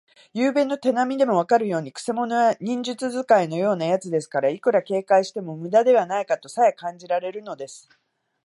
ゆうべの手なみでもわかるように、くせ者は忍術使いのようなやつですから、いくら警戒してもむだではないかとさえ感じられるのです。